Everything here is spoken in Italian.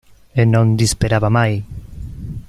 E non disperava mai.